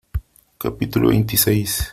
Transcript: capítulo veintiséis .